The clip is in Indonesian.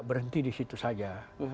berhenti di situ saja